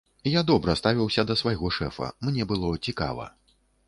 Я добра ставіўся да свайго шэфа, мне было цікава.